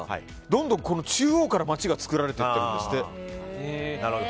どんどん中央から街が作られていってるんですって。